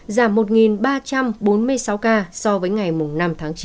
giảm một ba trăm bốn mươi sáu ca so với ngày năm tháng chín